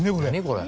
これ。